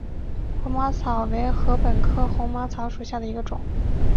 红毛草为禾本科红毛草属下的一个种。